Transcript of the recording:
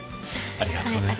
ありがとうございます。